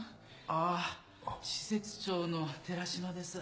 ああ施設長の寺島です。